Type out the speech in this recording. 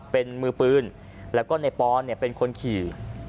เป็นมือปืนแล้วก็ในปอนเป็นคนขี่